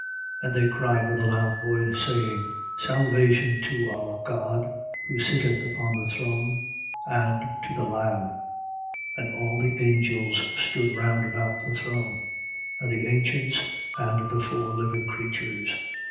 7:10. And they cried with a loud voice, saying: Salvation to our God, who sitteth upon the throne and to the Lamb. 7:11. And all the angels stood round about the throne and the ancients and the four living creatures.